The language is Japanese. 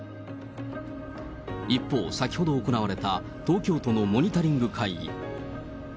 一方、先ほど行われた東京都のモニタリング会議。